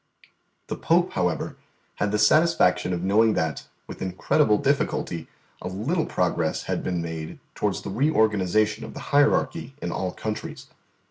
The Pope, however, had the satisfaction of knowing that, with incredible difficulty, a little progress had been made towards the reorganisation of the hierarchy in all countries.